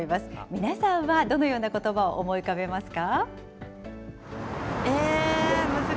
皆さんはどのようなことばを思い浮かべますか。